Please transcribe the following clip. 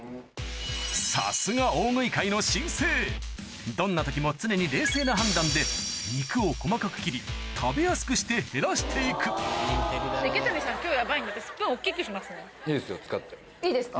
さすがどんな時も常に冷静な判断で肉を細かく切り食べやすくして減らして行くいいですか？